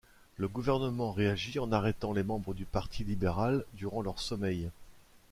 Le gouvernement réagit en arrêtant les membres du parti libéral durant leur sommeil.